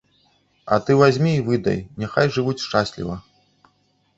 А ты вазьмі і выдай, няхай жывуць шчасліва.